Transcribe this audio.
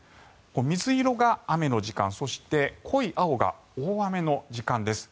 水色が雨の時間そして濃い青が大雨の時間です。